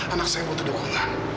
anak saya butuh dukungan